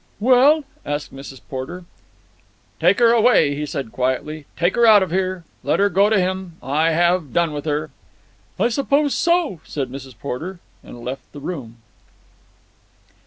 "Well?" asked Mrs. Porter. "Take her away," he said quietly. "Take her out of here. Let her go to him. I have done with her." "I suppose so," said Mrs. Porter, and left the room.